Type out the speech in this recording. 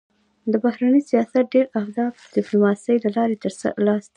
د بهرني سیاست ډېری اهداف د ډيپلوماسی له لارې تر لاسه کېږي.